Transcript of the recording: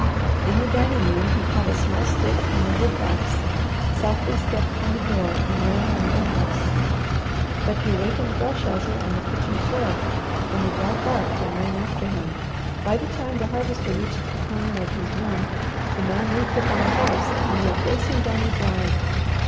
In the dining room he caught a small stick from the wood box, softly stepped from the door, and ran around the house. But he awakened Belshazzar on the kitchen floor, and the dog barked and ran after him. By the time the Harvester reached the corner of his room the man leaped upon a horse and went racing down the drive.